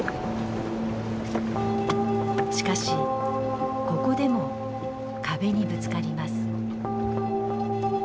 しかしここでも壁にぶつかります。